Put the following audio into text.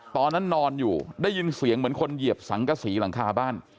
นอนอยู่ได้ยินเสียงเหมือนคนเหยียบสังกษีหลังคาบ้าน